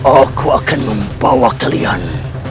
aku akan membawa kalian